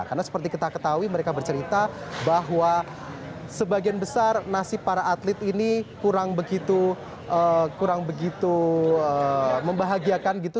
karena seperti kita ketahui mereka bercerita bahwa sebagian besar nasib para atlet ini kurang begitu membahagiakan gitu